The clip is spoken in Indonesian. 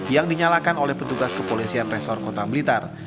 yang dinyalakan oleh petugas kepolisian resor kota blitar